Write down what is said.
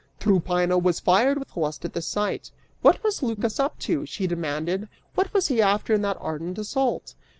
Tryphaena was fired with lust at this sight, "What was Lycas up to?" she demanded. "What was he after in that ardent assault?"